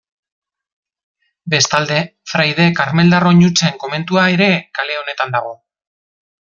Bestalde, Fraide Karmeldar Oinutsen komentua ere kale honetan dago.